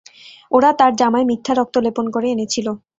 ওরা তার জামায় মিথ্যা রক্ত লেপন করে এনেছিল।